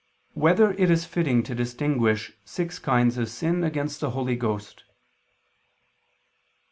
2] Whether It Is Fitting to Distinguish Six Kinds of Sin Against the Holy Ghost?